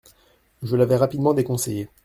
Je l’avais rapidement déconseillé.